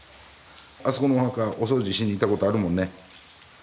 あそこのお墓お掃除しにいったことあるもんね。